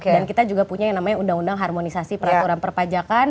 dan kita juga punya yang namanya undang undang harmonisasi peraturan perpajakan